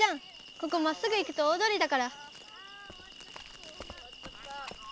ここまっすぐ行くと大通りだから。